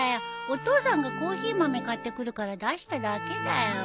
お父さんがコーヒー豆買ってくるから出しただけだよ。